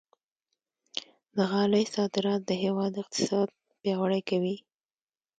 د غالۍ صادرات د هېواد اقتصاد پیاوړی کوي.